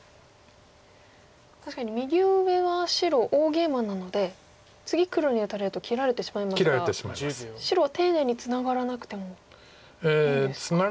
確かに右上は白大ゲイマなので次黒に打たれると切られてしまいますが白丁寧にツナがらなくてもいいんですか。